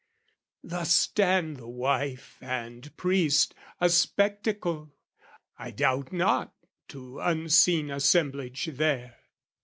Thus stand the wife and priest, a spectacle, I doubt not, to unseen assemblage there.